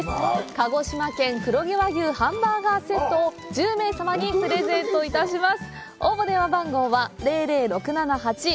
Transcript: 鹿児島黒毛和牛ハンバーガーキットを１０名様にプレゼントいたします。